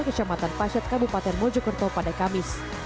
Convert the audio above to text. kecamatan paset kabupaten mojokerto pada kamis